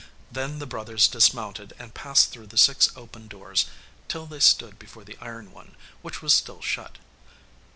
Then the brothers dismounted and passed through the six open doors, till they stood before the iron one, which was still shut.